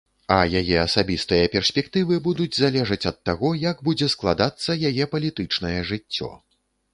А яе асабістыя перспектывы будуць залежаць ад таго, як будзе складацца яе палітычнае жыццё.